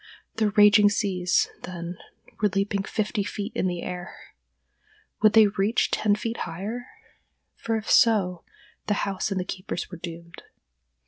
The raging seas, then, were leaping fifty feet in the air. Would they reach ten feet higher?—for if so, the house and the keepers were doomed.